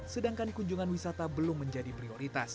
sedangkan kunjungan wisata belum menjadi prioritas